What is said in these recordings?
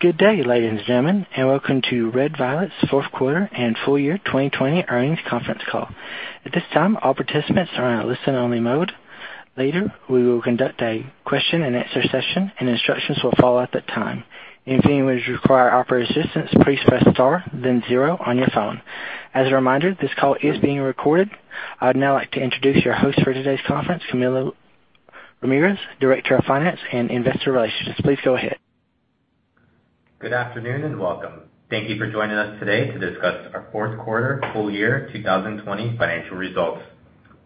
Good day, ladies and gentlemen, and welcome to Red Violet's fourth quarter and full year 2020 earnings conference call. At this time all participants are in listen only mode. Later, we will conduct a Q&A session and instructions will follow at the time. If anyone requires operator's assistance please press then zero on your phone, as a reminder, this call is being recorded. I'd now like to introduce your host for today's conference, Camilo Ramirez, Director of Finance and Investor Relations. Please go ahead. Good afternoon, and welcome. Thank you for joining us today to discuss our fourth quarter full year 2020 financial results.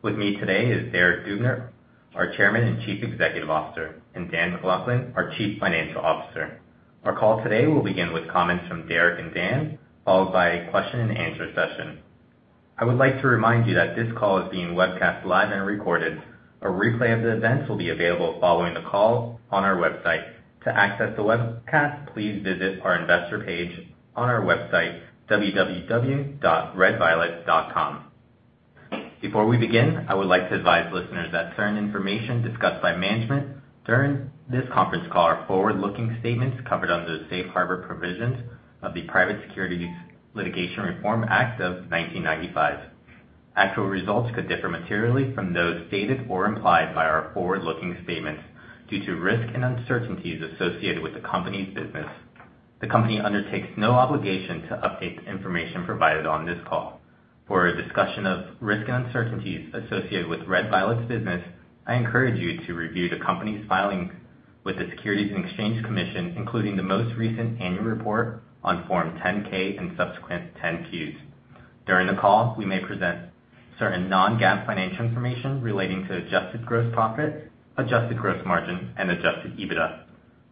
With me today is Derek Dubner, our Chairman and Chief Executive Officer, and Dan MacLachlan, our Chief Financial Officer. Our call today will begin with comments from Derek and Dan, followed by a question and answer session. I would like to remind you that this call is being webcast live and recorded. A replay of the event will be available following the call on our website. To access the webcast, please visit our investor page on our website, www.redviolet.com. Before we begin, I would like to advise listeners that certain information discussed by management during this conference call are forward-looking statements covered under the safe harbor provisions of the Private Securities Litigation Reform Act of 1995. Actual results could differ materially from those stated or implied by our forward-looking statements due to risks and uncertainties associated with the company's business. The company undertakes no obligation to update the information provided on this call. For a discussion of risks and uncertainties associated with Red Violet's business, I encourage you to review the company's filings with the Securities and Exchange Commission, including the most recent annual report on Form 10-K and subsequent 10-Qs. During the call, we may present certain non-GAAP financial information relating to adjusted gross profit, adjusted gross margin, and adjusted EBITDA.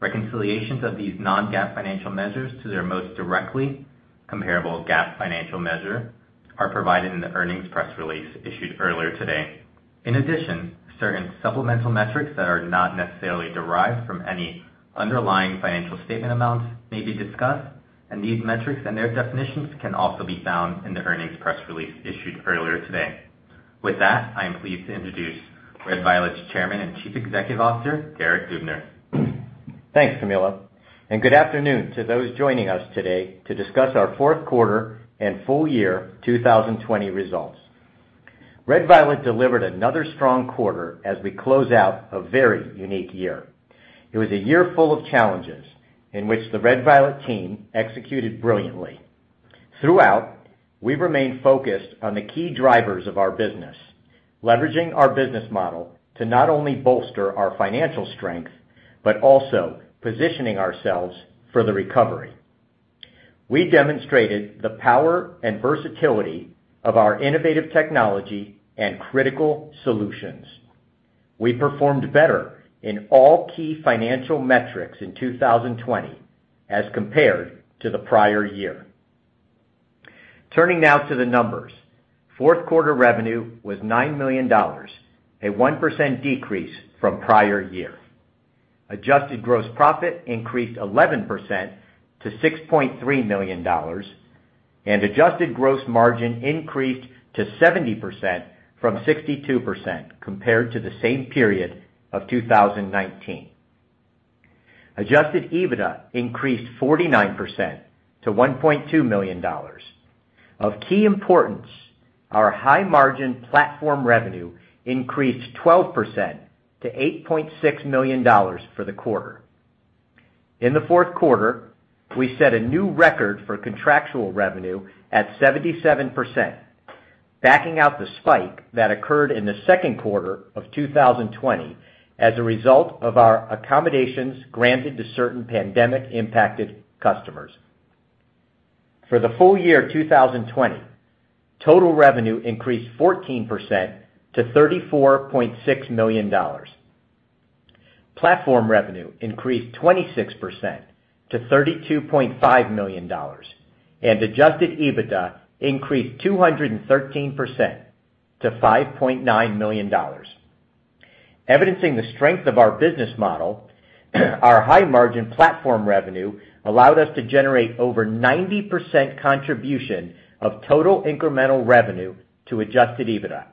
Reconciliations of these non-GAAP financial measures to their most directly comparable GAAP financial measure are provided in the earnings press release issued earlier today. Certain supplemental metrics that are not necessarily derived from any underlying financial statement amounts may be discussed, and these metrics and their definitions can also be found in the earnings press release issued earlier today. With that, I am pleased to introduce Red Violet's Chairman and Chief Executive Officer, Derek Dubner. Thanks, Camilo, and good afternoon to those joining us today to discuss our fourth quarter and full-year 2020 results. Red Violet delivered another strong quarter as we close out a very unique year. It was a year full of challenges in which the Red Violet team executed brilliantly. Throughout, we remained focused on the key drivers of our business, leveraging our business model to not only bolster our financial strength but also positioning ourselves for the recovery. We demonstrated the power and versatility of our innovative technology and critical solutions. We performed better in all key financial metrics in 2020 as compared to the prior year. Turning now to the numbers. Fourth quarter revenue was $9 million, a 1% decrease from prior year. Adjusted gross profit increased 11% to $6.3 million, and adjusted gross margin increased to 70% from 62% compared to the same period of 2019. Adjusted EBITDA increased 49% to $1.2 million. Of key importance, our high-margin platform revenue increased 12% to $8.6 million for the quarter. In the fourth quarter, we set a new record for contractual revenue at 77%, backing out the spike that occurred in the second quarter of 2020 as a result of our accommodations granted to certain pandemic-impacted customers. For the full year 2020, total revenue increased 14% to $34.6 million. Platform revenue increased 26% to $32.5 million, and adjusted EBITDA increased 213% to $5.9 million. Evidencing the strength of our business model, our high-margin platform revenue allowed us to generate over 90% contribution of total incremental revenue to adjusted EBITDA,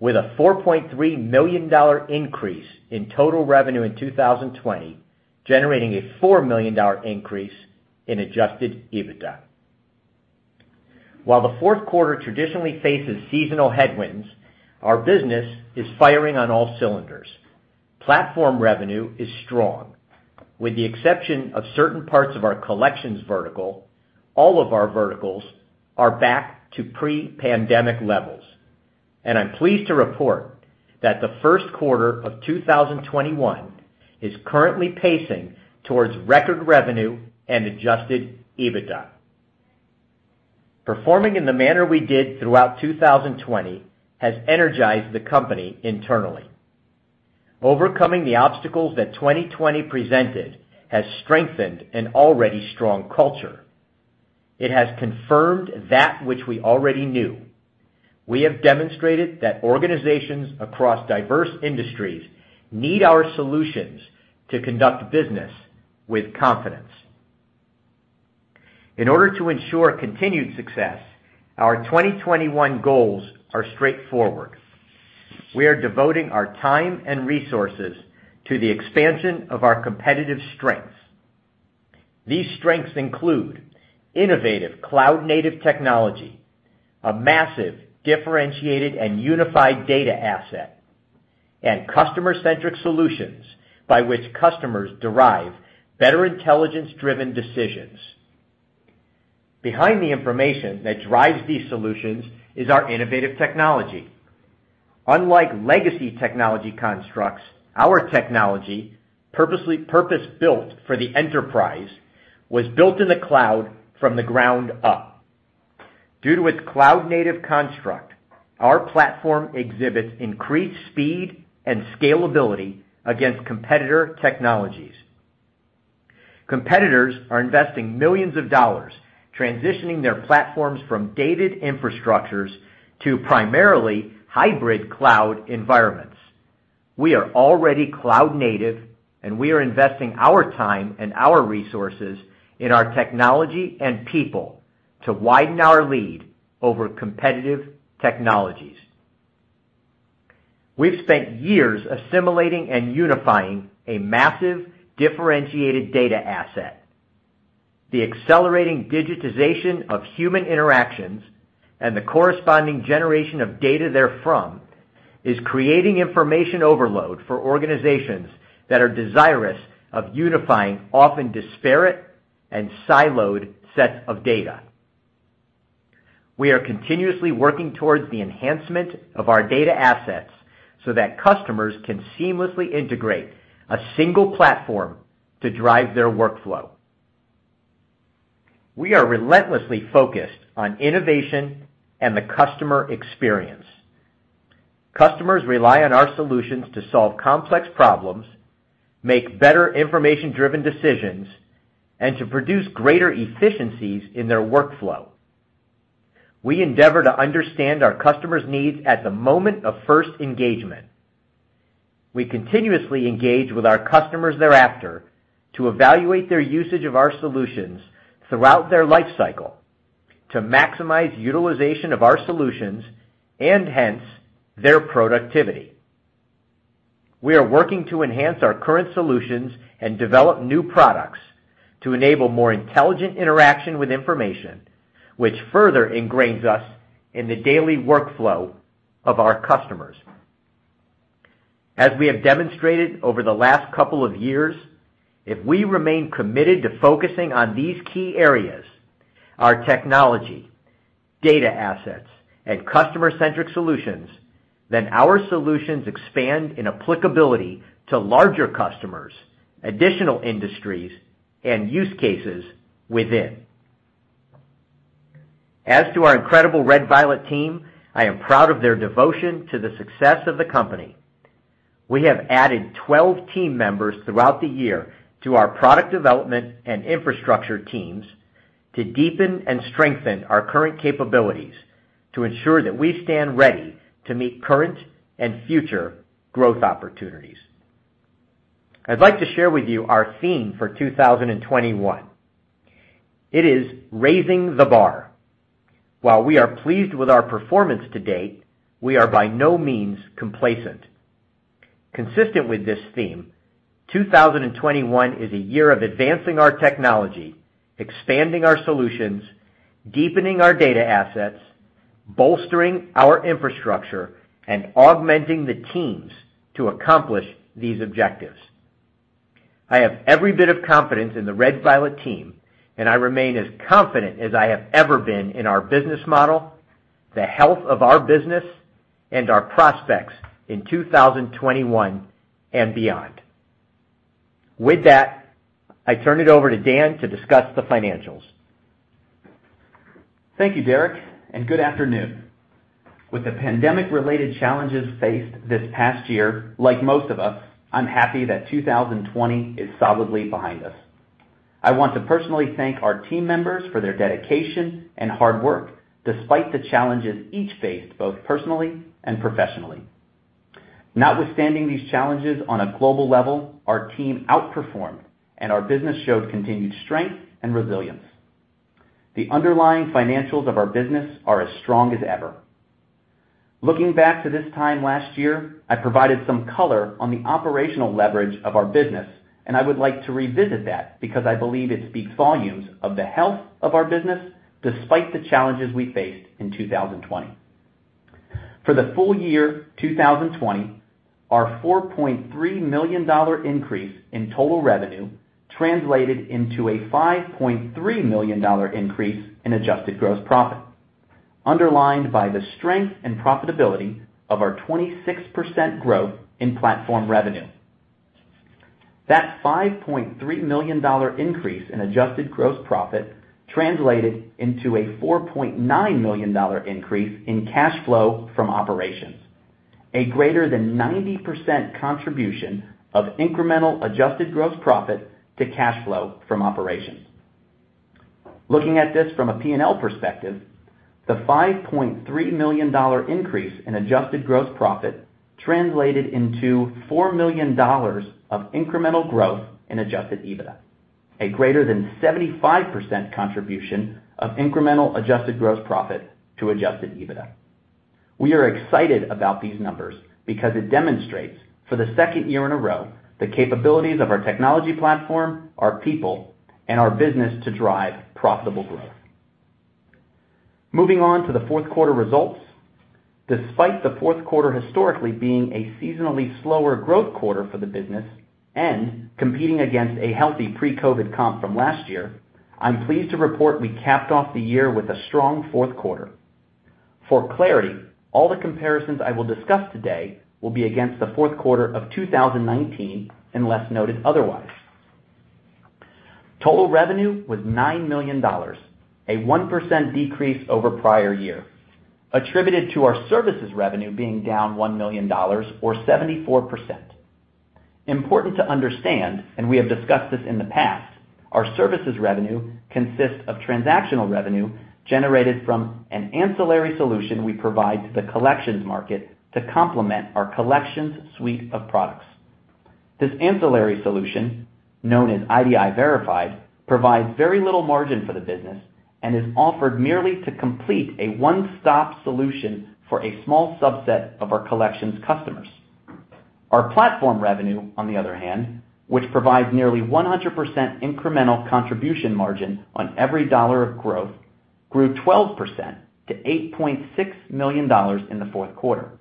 with a $4.3 million increase in total revenue in 2020 generating a $4 million increase in adjusted EBITDA. While the fourth quarter traditionally faces seasonal headwinds, our business is firing on all cylinders. Platform revenue is strong. With the exception of certain parts of our collections vertical, all of our verticals are back to pre-pandemic levels, and I'm pleased to report that the first quarter of 2021 is currently pacing towards record revenue and adjusted EBITDA. Performing in the manner we did throughout 2020 has energized the company internally. Overcoming the obstacles that 2020 presented has strengthened an already strong culture. It has confirmed that which we already knew. We have demonstrated that organizations across diverse industries need our solutions to conduct business with confidence. In order to ensure continued success, our 2021 goals are straightforward. We are devoting our time and resources to the expansion of our competitive strengths. These strengths include innovative cloud-native technology, a massive differentiated and unified data asset, and customer-centric solutions by which customers derive better intelligence-driven decisions. Behind the information that drives these solutions is our innovative technology. Unlike legacy technology constructs, our technology, purpose-built for the enterprise, was built in the cloud from the ground up. Due to its cloud-native construct, our platform exhibits increased speed and scalability against competitor technologies. Competitors are investing millions of dollars transitioning their platforms from dated infrastructures to primarily hybrid cloud environments. We are already cloud native. We are investing our time and our resources in our technology and people to widen our lead over competitive technologies. We've spent years assimilating and unifying a massive differentiated data asset. The accelerating digitization of human interactions and the corresponding generation of data therefrom is creating information overload for organizations that are desirous of unifying often disparate and siloed sets of data. We are continuously working towards the enhancement of our data assets so that customers can seamlessly integrate a single platform to drive their workflow. We are relentlessly focused on innovation and the customer experience. Customers rely on our solutions to solve complex problems, make better information-driven decisions, and to produce greater efficiencies in their workflow. We endeavor to understand our customers' needs at the moment of first engagement. We continuously engage with our customers thereafter to evaluate their usage of our solutions throughout their lifecycle, to maximize utilization of our solutions, and hence, their productivity. We are working to enhance our current solutions and develop new products to enable more intelligent interaction with information, which further ingrains us in the daily workflow of our customers. As we have demonstrated over the last couple of years, if we remain committed to focusing on these key areas, our technology, data assets and customer-centric solutions, then our solutions expand in applicability to larger customers, additional industries and use cases within. As to our incredible Red Violet team, I am proud of their devotion to the success of the company. We have added 12 team members throughout the year to our product development and infrastructure teams to deepen and strengthen our current capabilities to ensure that we stand ready to meet current and future growth opportunities. I'd like to share with you our theme for 2021. It is raising the bar. While we are pleased with our performance to date, we are by no means complacent. Consistent with this theme, 2021 is a year of advancing our technology, expanding our solutions, deepening our data assets, bolstering our infrastructure, and augmenting the teams to accomplish these objectives. I have every bit of confidence in the Red Violet team, and I remain as confident as I have ever been in our business model, the health of our business, and our prospects in 2021 and beyond. With that, I turn it over to Dan to discuss the financials. Thank you, Derek, and good afternoon. With the pandemic-related challenges faced this past year, like most of us, I'm happy that 2020 is solidly behind us. I want to personally thank our team members for their dedication and hard work despite the challenges each faced, both personally and professionally. Notwithstanding these challenges on a global level, our team outperformed, and our business showed continued strength and resilience. The underlying financials of our business are as strong as ever. Looking back to this time last year, I provided some color on the operational leverage of our business, and I would like to revisit that because I believe it speaks volumes of the health of our business despite the challenges we faced in 2020. For the full year 2020, our $4.3 million increase in total revenue translated into a $5.3 million increase in adjusted gross profit, underlined by the strength and profitability of our 26% growth in platform revenue. That $5.3 million increase in adjusted gross profit translated into a $4.9 million increase in cash flow from operations, a greater than 90% contribution of incremental adjusted gross profit to cash flow from operations. Looking at this from a P&L perspective, the $5.3 million increase in adjusted gross profit translated into $4 million of incremental growth in adjusted EBITDA, a greater than 75% contribution of incremental adjusted gross profit to adjusted EBITDA. We are excited about these numbers because it demonstrates, for the second year in a row, the capabilities of our technology platform, our people, and our business to drive profitable growth. Moving on to the fourth quarter results. Despite the fourth quarter historically being a seasonally slower growth quarter for the business and competing against a healthy pre-COVID comp from last year, I'm pleased to report we capped off the year with a strong fourth quarter. For clarity, all the comparisons I will discuss today will be against the fourth quarter of 2019, unless noted otherwise. Total revenue was $9 million, a 1% decrease over prior year, attributed to our services revenue being down $1 million, or 74%. Important to understand, and we have discussed this in the past, our services revenue consists of transactional revenue generated from an ancillary solution we provide to the collections market to complement our collections suite of products. This ancillary solution, known as idiVERIFIED, provides very little margin for the business and is offered merely to complete a one-stop solution for a small subset of our collections customers. Our platform revenue, on the other hand, which provides nearly 100% incremental contribution margin on every dollar of growth, grew 12% to $8.6 million in the fourth quarter.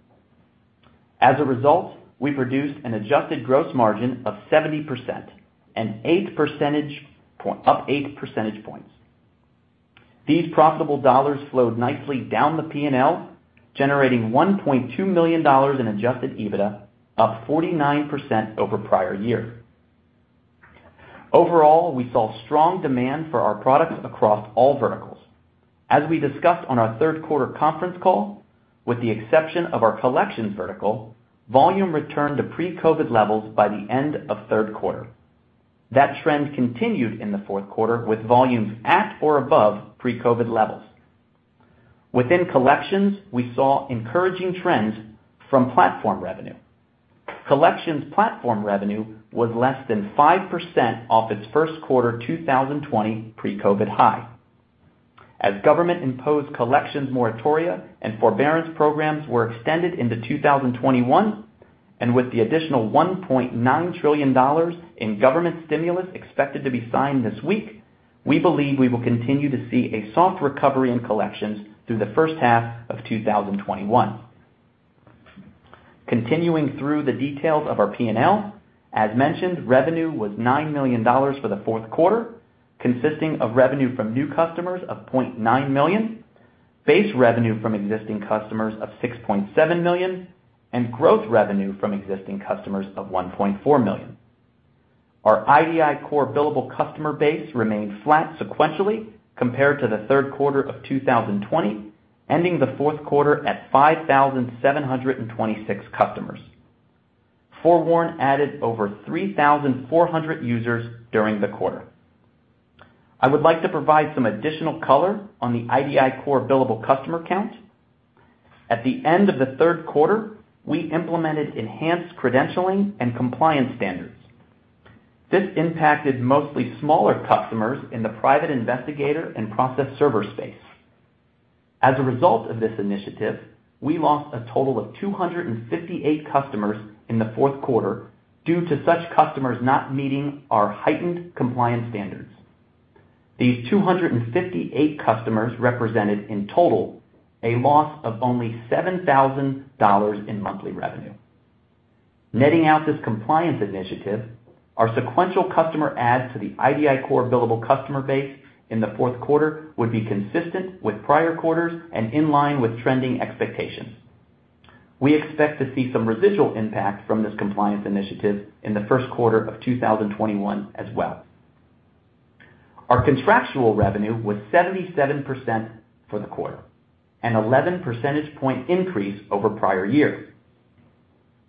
As a result, we produced an adjusted gross margin of 70%, up 8 percentage points. These profitable dollars flowed nicely down the P&L, generating $1.2 million in adjusted EBITDA, up 49% over prior year. Overall, we saw strong demand for our products across all verticals. As we discussed on our third quarter conference call, with the exception of our collections vertical, volume returned to pre-COVID levels by the end of third quarter. That trend continued in the fourth quarter, with volumes at or above pre-COVID levels. Within collections, we saw encouraging trends from platform revenue. Collections platform revenue was less than 5% off its first quarter 2020 pre-COVID high. As government-imposed collections moratoria and forbearance programs were extended into 2021, and with the additional $1.9 trillion in government stimulus expected to be signed this week, we believe we will continue to see a soft recovery in collections through the first half of 2021. Continuing through the details of our P&L, as mentioned, revenue was $9 million for the fourth quarter, consisting of revenue from new customers of $0.9 million, base revenue from existing customers of $6.7 million, and growth revenue from existing customers of $1.4 million. Our idiCORE billable customer base remained flat sequentially compared to the third quarter of 2020, ending the fourth quarter at 5,726 customers. FOREWARN added over 3,400 users during the quarter. I would like to provide some additional color on the idiCORE billable customer count. At the end of the third quarter, we implemented enhanced credentialing and compliance standards. This impacted mostly smaller customers in the private investigator and process server space. As a result of this initiative, we lost a total of 258 customers in the fourth quarter due to such customers not meeting our heightened compliance standards. These 258 customers represented, in total, a loss of only $7,000 in monthly revenue. Netting out this compliance initiative, our sequential customer adds to the idiCORE billable customer base in the fourth quarter would be consistent with prior quarters and in line with trending expectations. We expect to see some residual impact from this compliance initiative in the first quarter of 2021 as well. Our contractual revenue was 77% for the quarter, an 11 percentage point increase over prior year.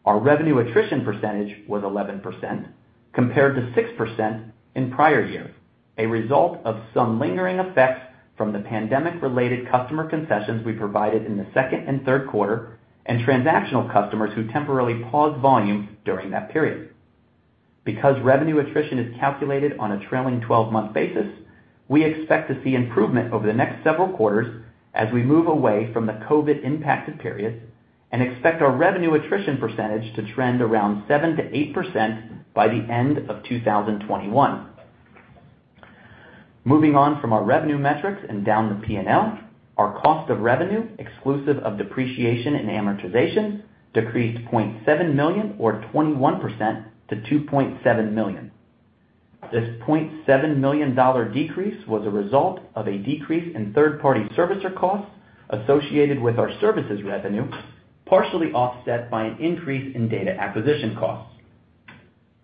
Our revenue attrition percentage was 11%, compared to 6% in prior year, a result of some lingering effects from the pandemic-related customer concessions we provided in the second and third quarter, and transactional customers who temporarily paused volume during that period. Because revenue attrition is calculated on a trailing 12-month basis, we expect to see improvement over the next several quarters as we move away from the COVID-impacted period, and expect our revenue attrition percentage to trend around 7%-8% by the end of 2021. Moving on from our revenue metrics and down the P&L, our cost of revenue, exclusive of depreciation and amortization, decreased $0.7 million or 21% to $2.7 million. This $0.7 million decrease was a result of a decrease in third-party servicer costs associated with our services revenue, partially offset by an increase in data acquisition costs.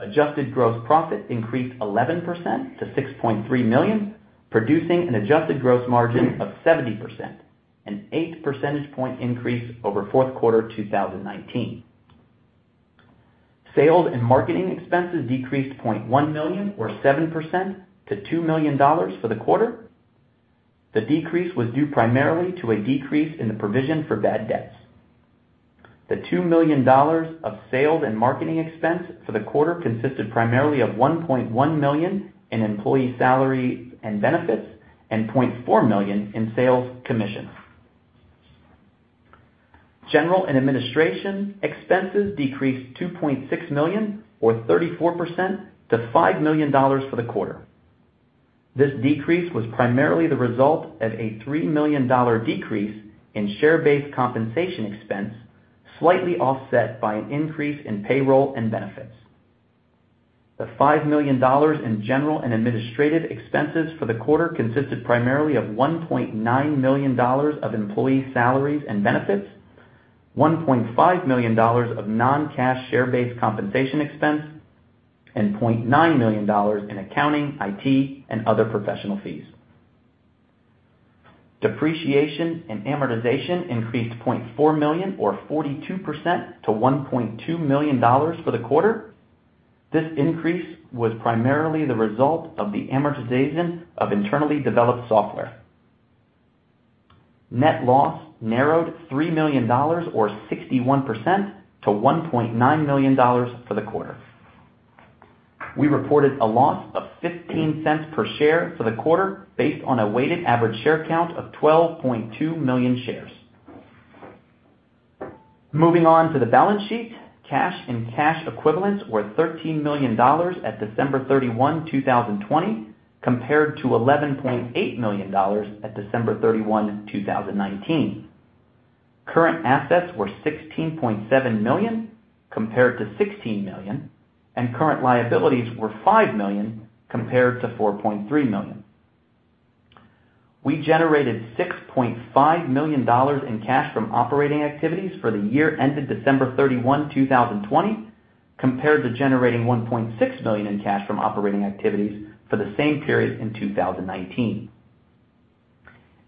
Adjusted gross profit increased 11% to $6.3 million, producing an adjusted gross margin of 70%, an 8 percentage point increase over fourth quarter 2019. Sales and marketing expenses decreased $0.1 million, or 7%, to $2 million for the quarter. The decrease was due primarily to a decrease in the provision for bad debts. The $2 million of sales and marketing expense for the quarter consisted primarily of $1.1 million in employee salary and benefits and $0.4 million in sales commissions. General and administration expenses decreased $2.6 million, or 34%, to $5 million for the quarter. This decrease was primarily the result of a $3 million decrease in share-based compensation expense, slightly offset by an increase in payroll and benefits. The $5 million in general and administrative expenses for the quarter consisted primarily of $1.9 million of employee salaries and benefits, $1.5 million of non-cash share-based compensation expense, and $0.9 million in accounting, IT, and other professional fees. Depreciation and amortization increased $0.4 million, or 42%, to $1.2 million for the quarter. This increase was primarily the result of the amortization of internally developed software. Net loss narrowed $3 million, or 61%, to $1.9 million for the quarter. We reported a loss of $0.15 per share for the quarter, based on a weighted average share count of 12.2 million shares. Moving on to the balance sheet, cash and cash equivalents were $13 million at December 31, 2020, compared to $11.8 million at December 31, 2019. Current assets were $16.7 million, compared to $16 million, and current liabilities were $5 million, compared to $4.3 million. We generated $6.5 million in cash from operating activities for the year ended December 31, 2020, compared to generating $1.6 million in cash from operating activities for the same period in 2019.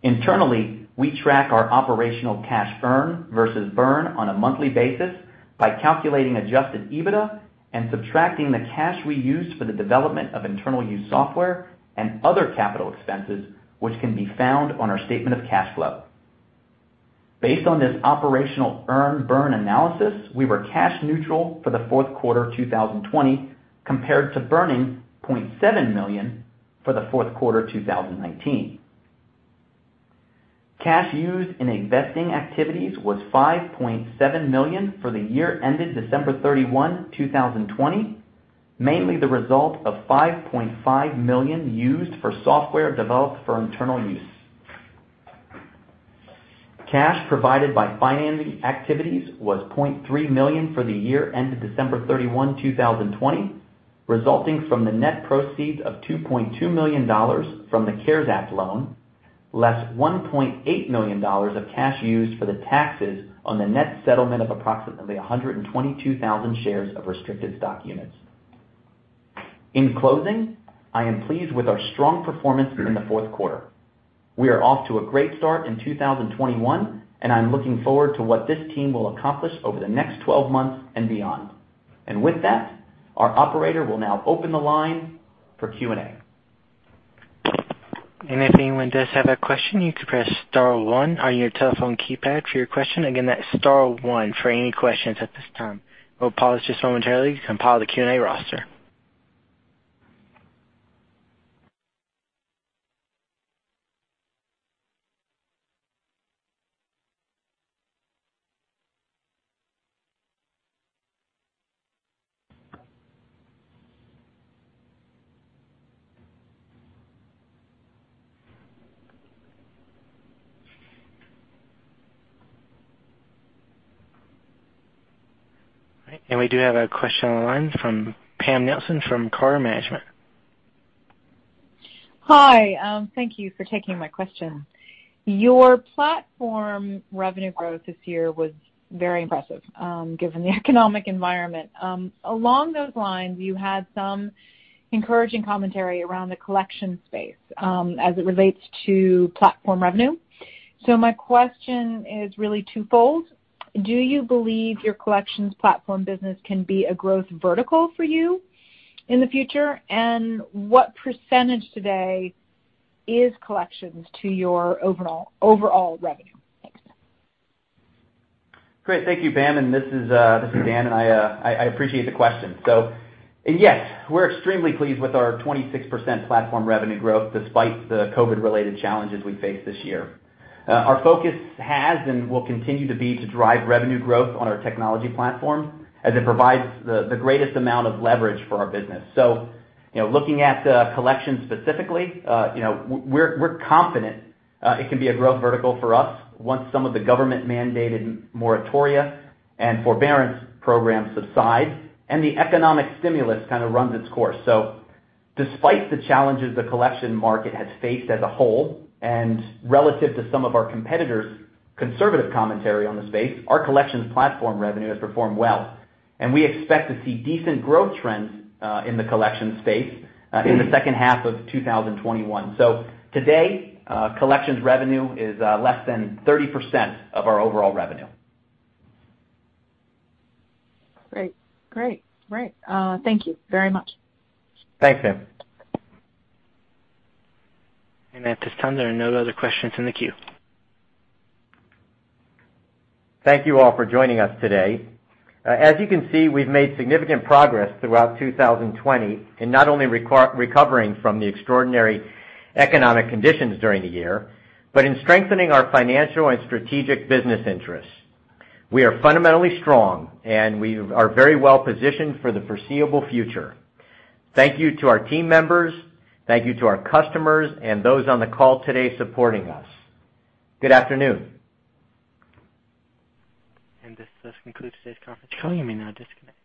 Internally, we track our operational cash earn versus burn on a monthly basis by calculating adjusted EBITDA and subtracting the cash we used for the development of internal use software and other capital expenses, which can be found on our statement of cash flow. Based on this operational earn burn analysis, we were cash neutral for the fourth quarter 2020, compared to burning $0.7 million for the fourth quarter 2019. Cash used in investing activities was $5.7 million for the year ended December 31, 2020, mainly the result of $5.5 million used for software developed for internal use. Cash provided by financing activities was $0.3 million for the year ended December 31, 2020, resulting from the net proceeds of $2.2 million from the CARES Act loan, less $1.8 million of cash used for the taxes on the net settlement of approximately 122,000 shares of restricted stock units. In closing, I am pleased with our strong performance in the fourth quarter. We are off to a great start in 2021, and I'm looking forward to what this team will accomplish over the next 12 months and beyond. With that, our operator will now open the line for Q&A. If anyone does have a question, you can press star one on your telephone keypad for your question. Again, that's star one for any questions at this time. We'll pause just momentarily to compile the Q&A roster. All right, we do have a question on the line from Pam Nelson from Carter Management. Hi. Thank you for taking my question. Your platform revenue growth this year was very impressive given the economic environment. Along those lines, you had some encouraging commentary around the collection space as it relates to platform revenue. My question is really twofold. Do you believe your collections platform business can be a growth vertical for you in the future? What percentage today is collections to your overall revenue? Thanks. Great. Thank you, Pam. This is Dan, and I appreciate the question. Yes, we're extremely pleased with our 26% platform revenue growth despite the COVID-related challenges we faced this year. Our focus has and will continue to be to drive revenue growth on our technology platform as it provides the greatest amount of leverage for our business. Looking at collections specifically, we're confident it can be a growth vertical for us once some of the government-mandated moratoria and forbearance programs subside and the economic stimulus kind of runs its course. Despite the challenges the collection market has faced as a whole and relative to some of our competitors' conservative commentary on the space, our collections platform revenue has performed well, and we expect to see decent growth trends in the collections space in the second half of 2021. Today, collections revenue is less than 30% of our overall revenue. Great. Thank you very much. Thanks, Pam. At this time, there are no other questions in the queue. Thank you all for joining us today. As you can see, we've made significant progress throughout 2020 in not only recovering from the extraordinary economic conditions during the year, but in strengthening our financial and strategic business interests. We are fundamentally strong, and we are very well-positioned for the foreseeable future. Thank you to our team members, thank you to our customers and those on the call today supporting us. Good afternoon. This does conclude today's conference call. You may now disconnect.